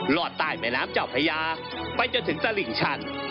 รอดใต้แม่น้ำเจ้าพญาไปจนถึงตลิ่งชัน